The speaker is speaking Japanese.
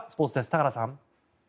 田原さん。